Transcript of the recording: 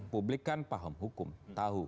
publik kan paham hukum tahu